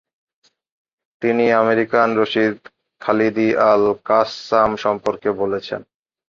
তিনি American Rashid Khalidi al Qassam সম্পর্কে বলেছেন